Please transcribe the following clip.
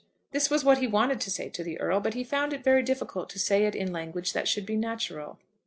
This was what he wanted to say to the Earl, but he found it very difficult to say it in language that should be natural.